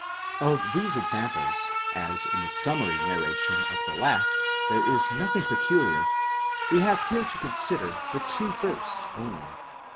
Of these examples, as in the summary narration of the last there is nothing peculiar, we have here to consider the two first only.